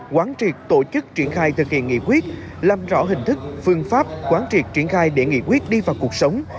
quán triệt tổ chức triển khai thực hiện nghị quyết làm rõ hình thức phương pháp quán triệt triển khai để nghị quyết đi vào cuộc sống